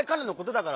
だから。